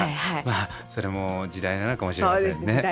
まあそれも時代なのかもしれませんね。